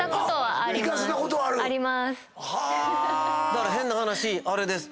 だから変な話あれです。